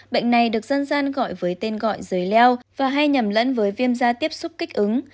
bệnh này được dân gian gọi với tên gọi dưới leo và hay nhầm lẫn với viêm da tiếp xúc kích ứng